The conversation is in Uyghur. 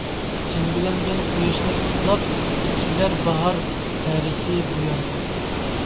جىلۋىلەنگەن قۇياشنى قۇتلاپ، كېلەر باھار پەرىسى بۇيان.